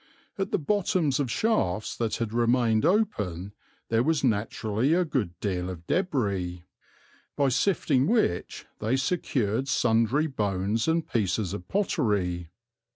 At the bottoms of shafts that had remained open there was naturally a good deal of débris, by sifting which they secured sundry bones and pieces of pottery.